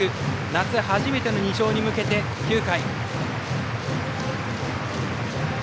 夏初めての２勝に向けて９回。